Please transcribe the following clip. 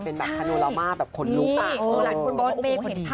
มันเป็นแบบธาปโนรามาแบบขนลุคค่ะ